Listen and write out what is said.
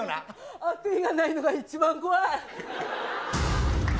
悪意がないのが一番怖い。